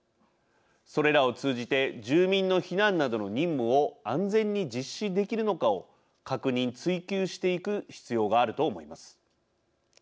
それらを通じて住民の避難などの任務を安全に実施できるのかを確認・追求していく必要があると思います。